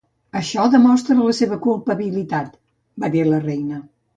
"Això demostra la seva culpabilitat", va dir la reina.